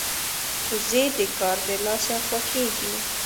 وزې د کار د لاسه خوښيږي